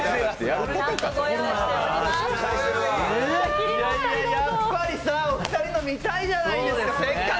やっぱりお二人の見たいじゃないですか！